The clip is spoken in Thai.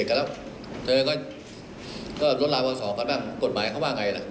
เจ้าก็รู้อยู่ใช่ไหมล่ะ